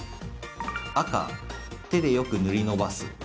赤・手でよく塗りのばす。